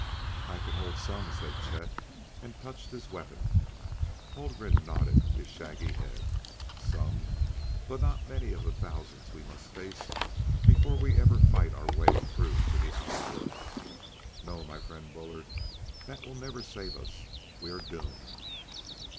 "I can hold some," said Chet, and touched his weapon. Haldgren nodded his shaggy head. "Some, but not many of the thousands we must face before ever we fight our way through to the outer world. No, my friend Bullard, that will never save us; we are doomed!"